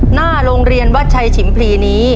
หน้าโรงเรียนวัดชัยฉิมพลีนี้